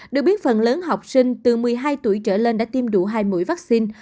được biết phần lớn học sinh từ một mươi hai tuổi trở lên đã tiêm đủ hai mũi vaccine